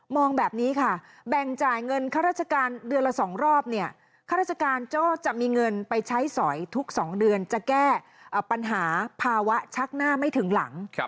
แบบนี้ค่ะแบ่งจ่ายเงินค่าราชการเดือนละ๒รอบเนี่ยข้าราชการก็จะมีเงินไปใช้สอยทุก๒เดือนจะแก้ปัญหาภาวะชักหน้าไม่ถึงหลัง